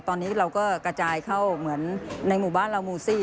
ตอนนี้เราก็กระจายเข้าเหมือนในหมู่บ้านเราหมู่๔